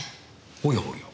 おやおや。